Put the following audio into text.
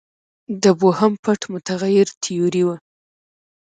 د بوهم پټ متغیر تیوري وه.